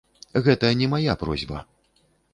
Гэта не мая просьба.